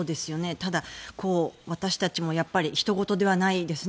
ただ、私たちもやっぱりひとごとではないですね。